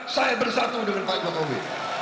saya bersatu dengan pak jokowi